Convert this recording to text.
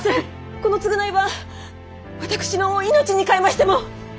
この償いは私の命にかえましても！